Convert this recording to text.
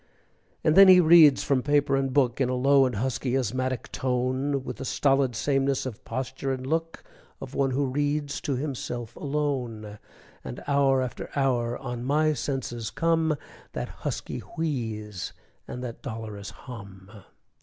And then he reads from paper and book, In a low and husky asthmatic tone, With the stolid sameness of posture and look Of one who reads to himself alone; And hour after hour on my senses come That husky wheeze and that dolorous hum.